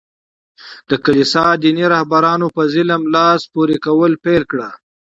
د کلیسا دیني رهبرانو په ظلم لاس پوري کول پېل کړل.